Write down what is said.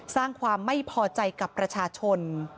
สร้างความไม่พอใจกับประชาชน